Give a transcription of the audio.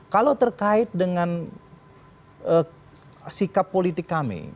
kalau terkait dengan sikap politik kami